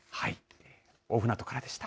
大船渡からでした。